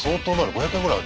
５００円ぐらい？